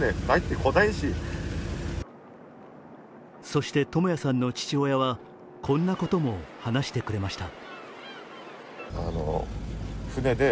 そして智也さんの父親はこんなことも話してくれました。